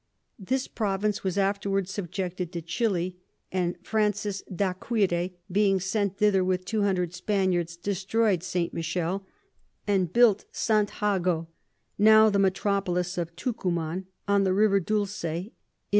This Province was afterwards subjected to Chili; and Francis d'Acquire being sent thither with 200 Spaniards, destroy'd St. Michel, and built St. Jago, now the Metropolis of Tucuman, on the River Dulce, in S.